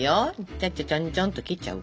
ちょっちょっちょんちょんっと切っちゃう？